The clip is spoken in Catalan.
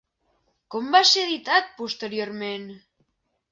Com va ser editat posteriorment?